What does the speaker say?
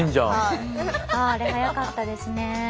あああれ速かったですね。